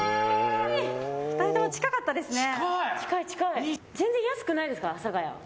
２人とも近かったですね。